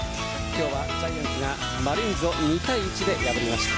今日はジャイアンツがマリーンズを２対１で破りました。